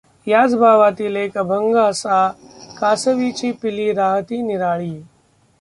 याच भावातील एक अभंग असाः कांसवीची पिलीं राहती निराळीं ।